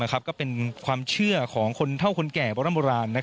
ก็เป็นความเชื่อของคนเท่าคนแก่โบราณ